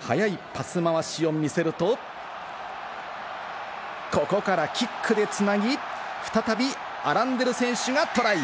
早いパス回しを見せると、ここからキックで繋ぎ、再びアランデル選手がトライ！